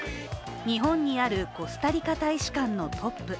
日本にあるコスタリカ大使館のトップ。